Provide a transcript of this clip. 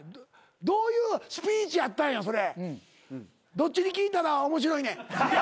どっちに聞いたら面白いねん。